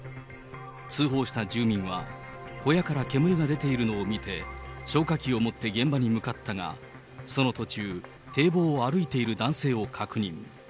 通報した住民は、小屋から煙が出ているのを見て、消火器を持って現場に向かったが、その途中、堤防を歩いている男性を確認。